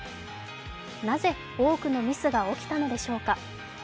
なぜ多くのミスが起きたのでしょうか。